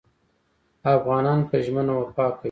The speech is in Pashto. افغانان په ژمنه وفا کوي.